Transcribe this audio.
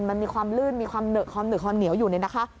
มันมีความลื่นมีความเหนือความเหนือความเหนียวอยู่นี่นะคะ